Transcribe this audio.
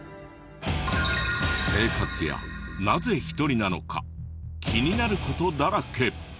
生活やなぜ１人なのか気になる事だらけ。